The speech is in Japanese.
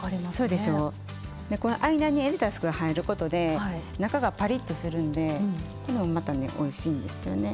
で間にレタスが入ることで中がパリッとするんでこれもまたねおいしいんですよね。